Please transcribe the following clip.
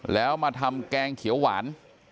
แล้วมาทำแกงเขียวหวาน